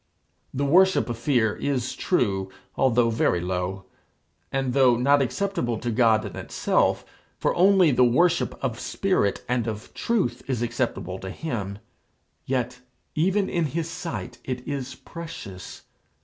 The worship of fear is true, although very low; and though not acceptable to God in itself, for only the worship of spirit and of truth is acceptable to him, yet even in his sight it is precious.